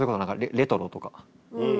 レトロとか。